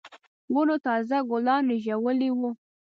ونو تازه ګلان رېژولي وو.